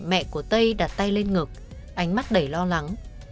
mẹ của tây đặt tay lên ngực ánh mắt đầy lo lắng